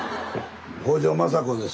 北条政子です。